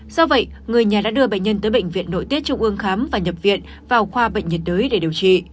do vậy người nhà đã đưa bệnh nhân tới bệnh viện nội tiết trung ương khám và nhập viện vào khoa bệnh nhiệt đới để điều trị